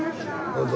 どうぞ。